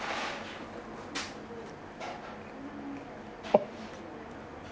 あっ！